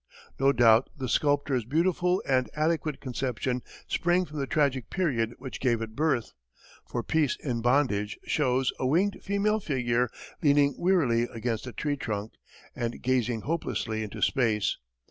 No doubt the sculptor's beautiful and adequate conception sprang from the tragic period which gave it birth; for "Peace in Bondage" shows a winged female figure leaning wearily against a tree trunk, and gazing hopelessly into space.